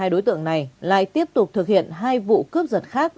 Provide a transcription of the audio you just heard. hai đối tượng này lại tiếp tục thực hiện hai vụ cướp giật khác